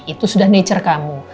itu sudah nature kamu